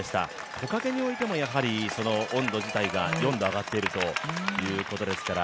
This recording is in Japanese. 木陰においても温度自体が４度上がっているということですから。